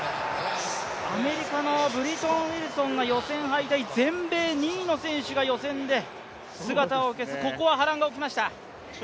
アメリカのブリトン・ウィルソンが予選敗退、全米２位の選手が予選で姿を消す、ここは波乱が起きました。